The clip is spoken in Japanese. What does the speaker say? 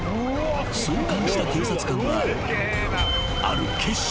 ［そう感じた警察官はある決心をする］